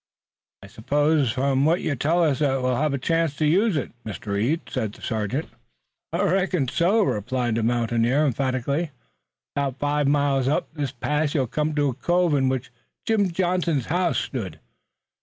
"I s'pose from what you tell us that you'll have the chance to use it, Mr. Reed," said the sergeant. "I reckon so," replied the mountaineer emphatically. "'Bout five miles up this pass you'll come to a cove in which Jim Johnson's house stood.